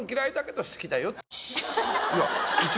いや一応。